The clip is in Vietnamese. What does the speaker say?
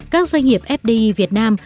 các doanh nghiệp fdi việt nam